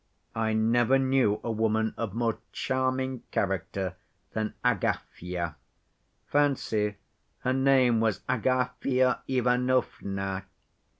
I never knew a woman of more charming character than Agafya—fancy, her name was Agafya Ivanovna!